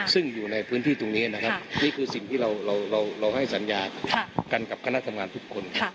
ซึ่งอยู่ในพื้นที่ตรงนี้นะครับนี่คือสิ่งที่เราให้สัญญากันกับคณะทำงานทุกคน